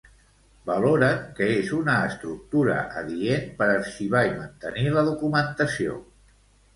Valoren que és una estructura adient per arxivar i mantenir la documentació.